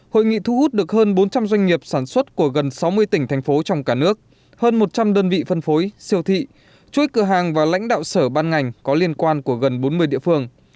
hội nghị thu hút được hơn bốn trăm linh doanh nghiệp sản xuất của gần sáu mươi tỉnh thành phố trong cả nước hơn một trăm linh đơn vị phân phối siêu thị chuối cửa hàng và lãnh đạo sở ban ngành có liên quan của gần bốn mươi địa phương